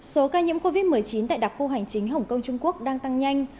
số ca nhiễm covid một mươi chín tại đặc khu hành chính hồng kông trung quốc đang tăng nhanh